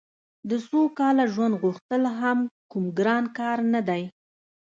د سوکاله ژوند غوښتل هم کوم ګران کار نه دی